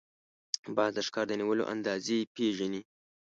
باز د ښکار د نیولو اندازې پېژني